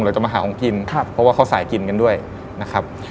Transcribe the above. เราจะมาหาของกินครับเพราะว่าเขาสายกินกันด้วยนะครับ